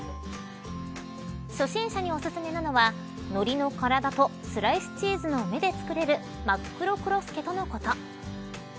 初心者に、おすすめなのはのりの体とスライスチーズの目で作れるまっくろくろすけとのこと。